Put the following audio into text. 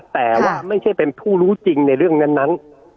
แต่ว่าไม่ใช่เป็นผู้รู้จริงในเรื่องนั้น